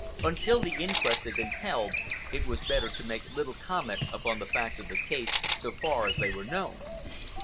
Until the inquest had been held, it was better to make little comment upon the facts of the case so far as they were known.